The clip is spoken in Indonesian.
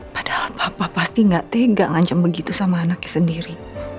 padahal papa pasti gak tegang ancam begitu sama anaknya sendiri